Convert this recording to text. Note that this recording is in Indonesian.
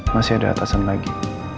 masih ada atasan lagi